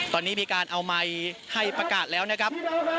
ตอนนี้มีการเอาไมค์ให้ประกาศแล้วนะครับ